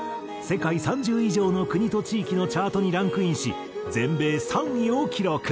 世界３０以上の国と地域のチャートにランクインし全米３位を記録。